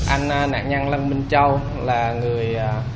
anh nạn nhân lăng minh châu là người